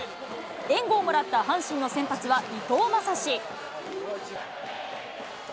援護をもらった阪神の先発は、伊藤将司。